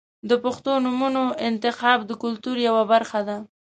• د پښتو نومونو انتخاب د کلتور یوه برخه ده.